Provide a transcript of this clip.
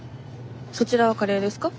そちらはカレーですか？